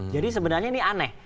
jadi sebenarnya ini aneh